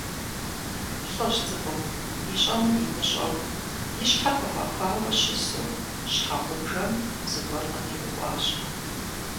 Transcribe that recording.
ЛӀыжь цӀыкӀум, ищӀэнур имыщӀэу, и щхьэр къыфӀэхуауэ щысу, щхьэгъубжэм зыгуэр къытеуӀуащ.